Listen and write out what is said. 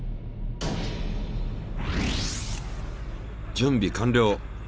準備完了。